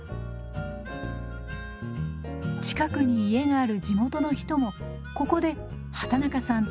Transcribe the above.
近くに家がある地元の人もここで畠中さんと寝食を共にします。